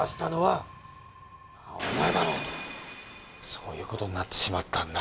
そういうことになってしまったんだ。